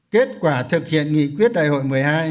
kết quả thực hiện nghị quyết đại hội một mươi hai